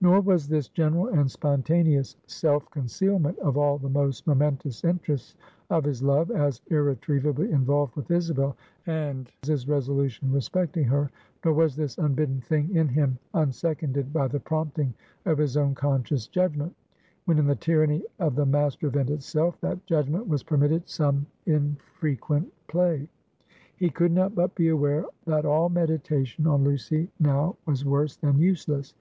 Nor was this general and spontaneous self concealment of all the most momentous interests of his love, as irretrievably involved with Isabel and his resolution respecting her; nor was this unbidden thing in him unseconded by the prompting of his own conscious judgment, when in the tyranny of the master event itself, that judgment was permitted some infrequent play. He could not but be aware, that all meditation on Lucy now was worse than useless.